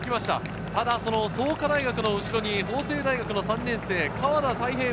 ただ創価大学の後ろに法政大学３年生・河田太一